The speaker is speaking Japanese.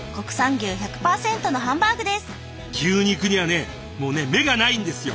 牛肉にはねもうね目がないんですよ！